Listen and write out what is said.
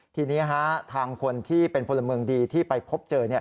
ทีนี้ทางคนที่เป็นพลเมืองดีที่ไปพบเจอ